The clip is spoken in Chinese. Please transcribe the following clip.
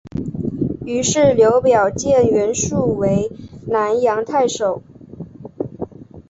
于是刘表荐袁术为南阳太守。